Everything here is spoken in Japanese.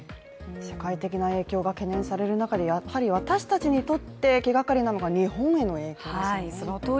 世界的な影響が懸念される中でやっぱり私たちが気がかりなのが、日本への影響ですね。